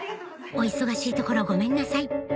お忙しいところごめんなさい